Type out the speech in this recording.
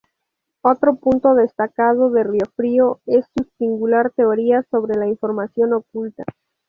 Otro punto destacado de Riofrío es su singular teoría sobre la información oculta.